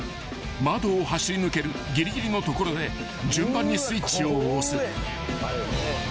［窓を走り抜けるぎりぎりのところで順番にスイッチを押す］